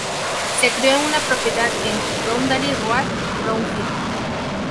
Se crio en una propiedad en Boundary Road, Brown Hill.